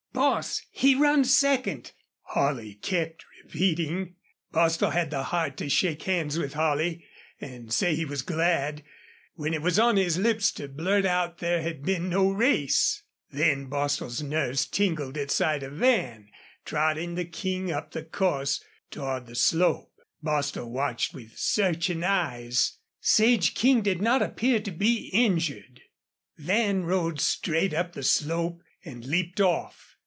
"Boss, he run second!" Holley kept repeating. Bostil had the heart to shake hands with Holley and say he was glad, when it was on his lips to blurt out there had been no race. Then Bostil's nerves tingled at sight of Van trotting the King up the course toward the slope. Bostil watched with searching eyes. Sage King did not appear to be injured. Van rode straight up the slope and leaped off.